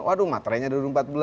waduh materainya sudah empat belas